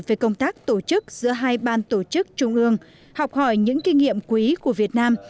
về công tác tổ chức giữa hai ban tổ chức trung ương học hỏi những kinh nghiệm quý của việt nam